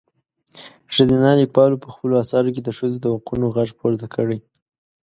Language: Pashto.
ښځينه لیکوالو په خپلو اثارو کې د ښځو د حقونو غږ پورته کړی.